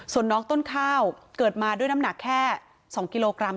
ส่วนน้องต้นข้าวเกิดมาด้วยน้ำหนักแค่๒กิโลกรัม